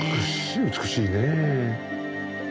美しいねえ。